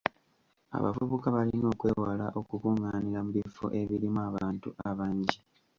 Abavubuka balina okwewala okukunganira mu bifo ebirimu abantu abangi.